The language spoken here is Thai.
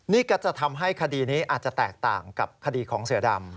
นี่ก็จะทำให้คดีนี้อาจจะแตกต่างกับคดีของเสือดำ